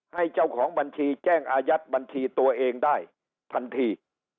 เจ้าของบัญชีแจ้งอายัดบัญชีตัวเองได้ทันที